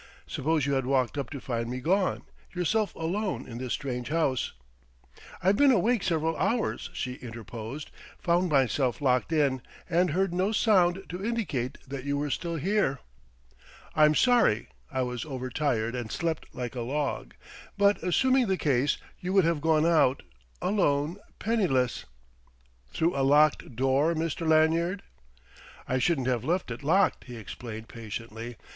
Suppose you had waked up to find me gone, yourself alone in this strange house " "I've been awake several hours," she interposed "found myself locked in, and heard no sound to indicate that you were still here." "I'm sorry: I was overtired and slept like a log.... But assuming the case: you would have gone out, alone, penniless " "Through a locked door, Mr. Lanyard?" "I shouldn't have left it locked," he explained patiently....